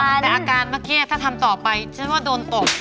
แต่อาการเมื่อกี้ถ้าทำต่อไปฉันว่าโดนตบ